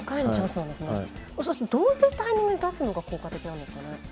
どういうタイミングで出すのが効果的なんですかね。